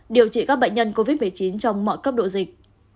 điều trị các bệnh nhân covid một mươi chín trong mọi cấp độ dịch